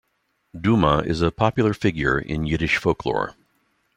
Dumah is a popular figure in Yiddish folklore.